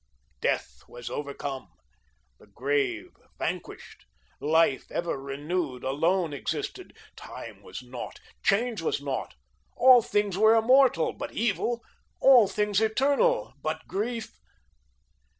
Death was overcome. The grave vanquished. Life, ever renewed, alone existed. Time was naught; change was naught; all things were immortal but evil; all things eternal but grief.